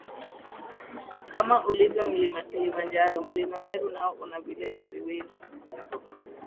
Kama ulivyo mlima Kilimanjaro Mlima Meru nao una vilele viwili